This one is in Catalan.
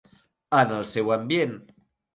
En el seu ambient.